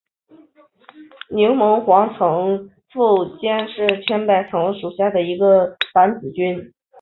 柠檬黄层腹菌是属于伞菌目层腹菌科层腹菌属的一种担子菌。